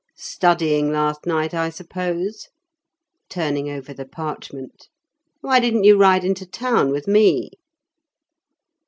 "Studying last night, I suppose?" turning over the parchment. "Why didn't you ride into town with me?"